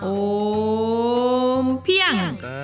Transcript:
โอมเพียง